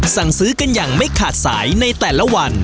สั่งซื้อกันอย่างไม่ขาดสายในแต่ละวัน